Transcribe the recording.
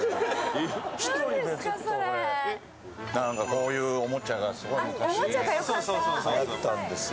こういうおもちゃが昔はやったんですよ。